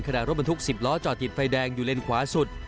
รถบรรทุก๑๐ล้อจอดติดไฟแดงอยู่เลนขวาสุด